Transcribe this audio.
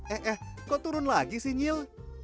eh eh kok turun lagi si unyil